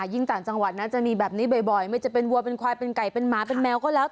ต่างจังหวัดนะจะมีแบบนี้บ่อยไม่จะเป็นวัวเป็นควายเป็นไก่เป็นหมาเป็นแมวก็แล้ว